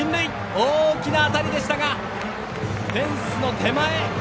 大きな当たりでしたがフェンスの手前！